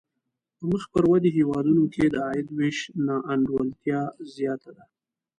په مخ پر ودې هېوادونو کې د عاید وېش نا انډولتیا زیاته ده.